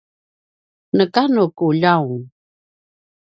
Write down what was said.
neka nu ku ljaung